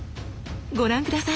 ご覧下さい。